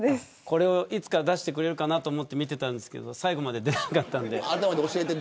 これをいつか出してくれるかなと思って見てましたが最後まで出なかったんで。